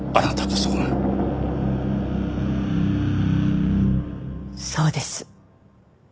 そうです。